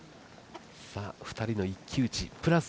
２人の一騎打ちプラス